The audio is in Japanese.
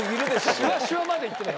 シワシワまで言ってない。